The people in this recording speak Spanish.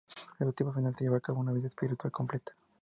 El objetivo final es llevar una vida espiritual completa.